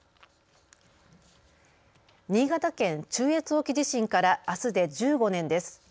新潟県中越沖地震からあすで１５年です。